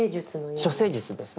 処世術ですね。